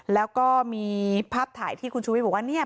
แล้วก็มีภาพถ่ายที่คุณชูวิทย์บอกว่าเนี่ย